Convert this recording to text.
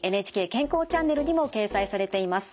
ＮＨＫ健康チャンネルにも掲載されています。